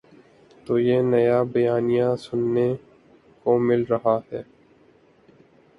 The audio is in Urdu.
تو یہ نیا بیانیہ سننے کو مل رہا ہے۔